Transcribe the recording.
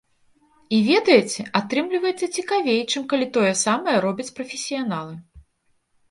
І ведаеце, атрымліваецца цікавей, чым калі тое самае робяць прафесіяналы.